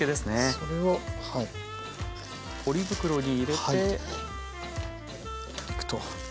それをポリ袋に入れていくと。